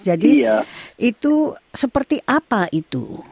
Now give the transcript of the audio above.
jadi itu seperti apa itu